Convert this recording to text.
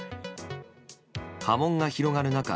波紋が広がる中